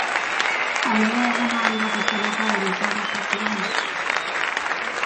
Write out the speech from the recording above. Argia eguna ari da pixkanaka bere izaera propioa hartzen.